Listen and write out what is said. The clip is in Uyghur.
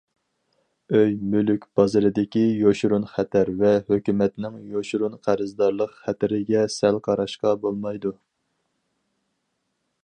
ئۆي- مۈلۈك بازىرىدىكى يوشۇرۇن خەتەر ۋە ھۆكۈمەتنىڭ يوشۇرۇن قەرزدارلىق خەتىرىگە سەل قاراشقا بولمايدۇ.